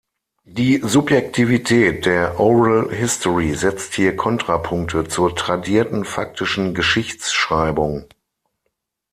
Die Subjektivität der Oral History setzt hier Kontrapunkte zur tradierten faktischen Geschichtsschreibung.